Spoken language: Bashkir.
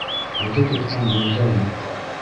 Үҙе тотҡан юл да юҡ.